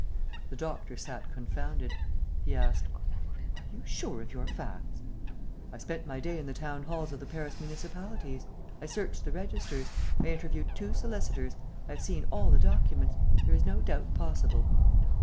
The doctor sat confounded. He asked: "Are you sure of your facts?" "I spent my day in the town halls of the Paris municipalities. I searched the registers, I interviewed two solicitors, I have seen all the documents. There is no doubt possible."